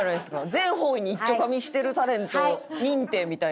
全方位にいっちょかみしてるタレント認定みたいな。